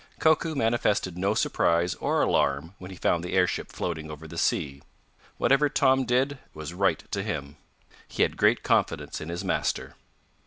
Koku manifested no surprise or alarm when he found the airship floating over the sea. Whatever Tom did was right to him. He had great confidence in his master.